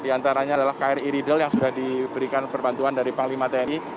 di antaranya adalah kri riddle yang sudah diberikan perbantuan dari pak limat n